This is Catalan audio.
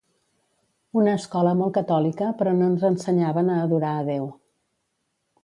Una escola molt catòlica però no ens ensenyaven a adorar a Déu